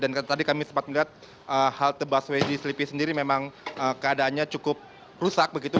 dan tadi kami sempat melihat halte busway di selipi sendiri memang keadaannya cukup rusak begitu